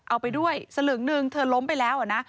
เอาไปด้วยสลึงหนึ่งเธอล้มไปแล้วนะ